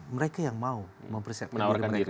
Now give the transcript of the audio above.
mereka yang mau mempersiapkan diri mereka